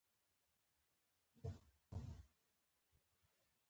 مېنه په تلو راتلو زياتېږي.